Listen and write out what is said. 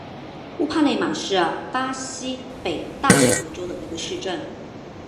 乌帕内马是巴西北大河州的一个市镇。